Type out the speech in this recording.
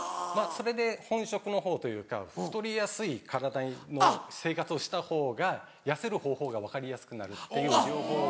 それで本職のほうというか太りやすい体の生活をしたほうが痩せる方法が分かりやすくなるっていう両方の。